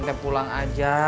kita pulang aja